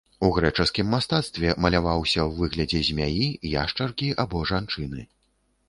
У грэчаскім мастацтве маляваўся ў выглядзе змяі, яшчаркі або жанчыны.